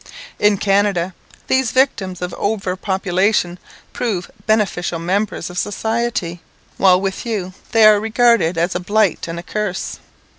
In Canada, these victims of over population prove beneficial members of society, while with you they are regarded as a blight and a curse.